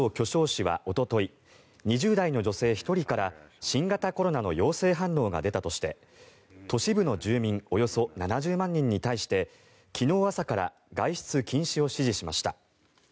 市はおととい２０代の女性１人から新型コロナの陽性反応が出たとして都市部の住民およそ７０万人に対して昨日朝から外出禁止を指示しました。